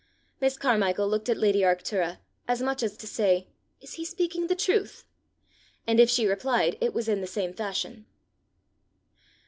Miss Carmichael looked at lady Arctura as much as to say "Is he speaking the truth?" and if she replied, it was in the same fashion.